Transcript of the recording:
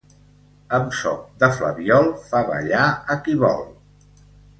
Amb so de flabiol fa ballar a qui vol.